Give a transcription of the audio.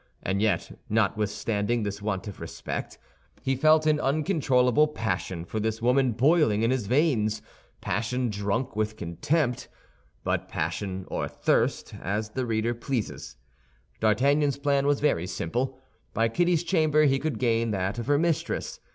And yet, notwithstanding this want of respect, he felt an uncontrollable passion for this woman boiling in his veins—passion drunk with contempt; but passion or thirst, as the reader pleases. D'Artagnan's plan was very simple. By Kitty's chamber he could gain that of her mistress.